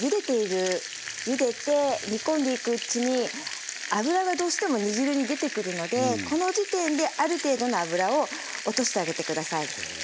ゆでて煮込んでいくうちに脂がどうしても煮汁に出てくるのでこの時点である程度の脂を落としてあげて下さい。